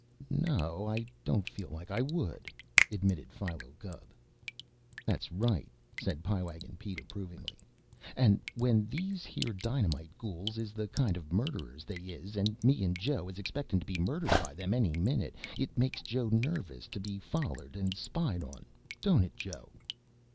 "No, I don't feel like I would," admitted Philo Gubb. "That's right," said Pie Wagon Pete approvingly. "An' when these here dynamite gools is the kind of murderers they is, an' me and Joe is expectin' to be murdered by them any minute, it makes Joe nervous to be follered an' spied on, don't it, Joe?"